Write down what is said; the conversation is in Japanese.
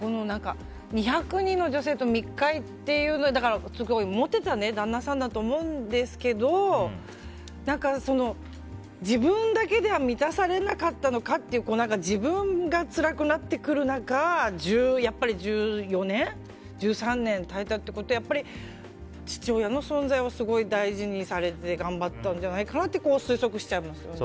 ２００人の女性と密会ということでモテた旦那さんだと思うんですけど自分だけでは満たされなかったのかって自分がつらくなってくる中やっぱり１４年、１３年耐えたということはやっぱり父親の存在をすごい大事にされて頑張ったんじゃないかなと推測しちゃいますね。